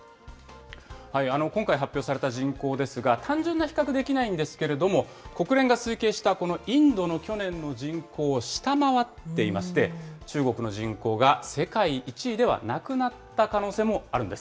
今回発表された人口ですが、単純な比較はできないんですけれども、国連が推計したこのインドの去年の人口を下回っていまして、中国の人口が世界１位ではなくなった可能性もあるんです。